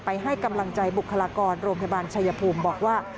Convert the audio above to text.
ให้กำลังใจบุคลากรโรงพยาบาลชายภูมิบอกว่า